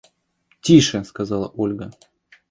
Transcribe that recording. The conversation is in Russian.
– Тише! – сказала Ольга.